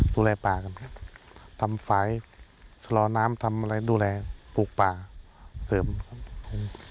ดูแลป่ากันครับทำฝ่ายชะลอน้ำทำอะไรดูแลปลูกป่าเสริมครับผม